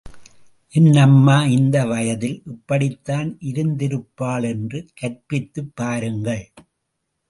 என் அம்மா இந்த வயதில் இப்படித்தான் இருந்திருப்பள் என்று கற்பித்துப் பாருங்கள்.